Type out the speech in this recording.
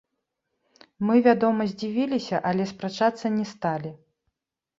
Мы, вядома, здзівіліся, але спрачацца не сталі.